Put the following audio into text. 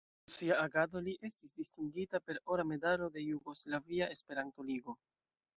Por sia agado li estis distingita per Ora medalo de Jugoslavia Esperanto-Ligo.